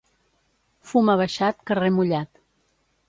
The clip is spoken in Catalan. Fum abaixat, carrer mullat.